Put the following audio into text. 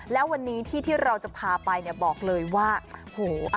แล้ววันนี้ที่ที่เราจะพาไปเนี่ยบอกเลยว่าโห